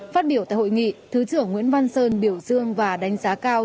phát biểu tại hội nghị thứ trưởng nguyễn văn sơn biểu dương và đánh giá cao